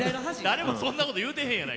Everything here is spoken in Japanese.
誰もそんなこと言うてへんやないか。